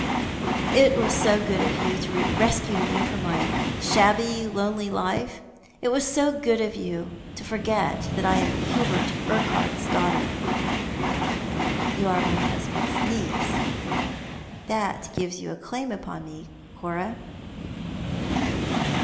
" It was so good of yo\: to rescue me from my shabby, lonely life ; it was so good of you to forget that I am Hubert Urquhart's daughter." " You are my husband's niece. That gives you a claim upon me, Cora."